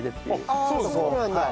ああそうなんだ。